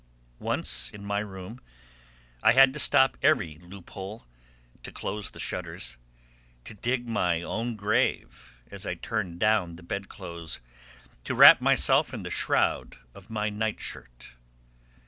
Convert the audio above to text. Once in my room I had to stop every loophole, to close the shutters, to dig my own grave as I turned down the bed clothes, to wrap myself in the shroud of my nightshirt.